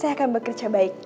saya akan bekerja baik